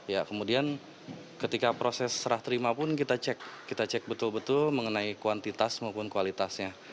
ya kemudian ketika proses serah terima pun kita cek kita cek betul betul mengenai kuantitas maupun kualitasnya